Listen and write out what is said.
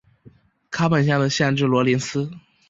卡本县的县治罗林斯。